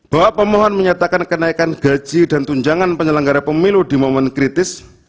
bahwa pemohon menyatakan kenaikan gaji dan tunjangan penyelenggara pemilu di momen kritis